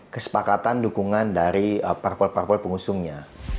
kesepakatan dukungan dari parpol parpol pengusungnya